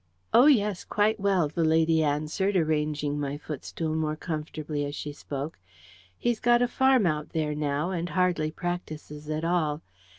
"Oh, yes, quite well," the lady answered, arranging my footstool more comfortably as she spoke. "He's got a farm out there now, and hardly practises at all.